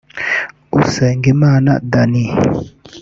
Usengimana Danny